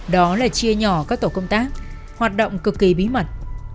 đó là chia nhỏ các tổ công tác hoạt động cực kỳ bí mật